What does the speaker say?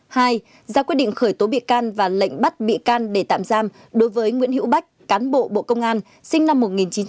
hai ra quyết định khởi tố bị can và lệnh bắt bị can để tạm giam đối với nguyễn hữu bách cán bộ bộ công an sinh năm một nghìn chín trăm tám mươi